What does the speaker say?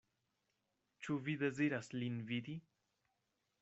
Ĉu vi deziras lin vidi?